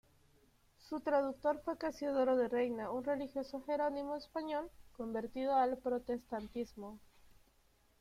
Su traductor fue Casiodoro de Reina, un religioso jerónimo español convertido al protestantismo.